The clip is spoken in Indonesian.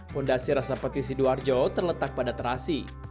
fondasi rasa petis di luar jawa terletak pada terasi